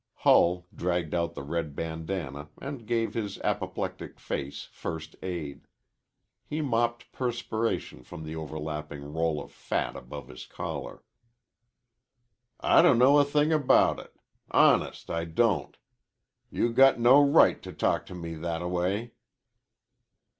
Hull dragged out the red bandanna and gave his apoplectic face first aid. He mopped perspiration from the overlapping roll of fat above his collar. "I dunno a thing about it. Honest, I don't. You got no right to talk to me thataway."